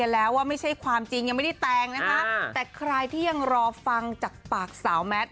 แล้วว่าไม่ใช่ความจริงยังไม่ได้แต่งนะคะแต่ใครที่ยังรอฟังจากปากสาวแมท